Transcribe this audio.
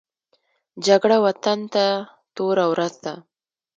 جګړه وطن ته توره ورځ ده